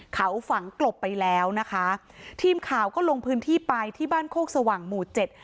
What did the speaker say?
เขาฝังกลบไปแล้วนะคะทีมข่าวก็ลงพื้นที่ไปที่บ้านโคกสว่างหมู่เจ็ด